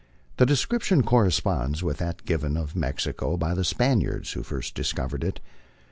The description corresponds with that given of Mexico by the Spaniards who first discovered it.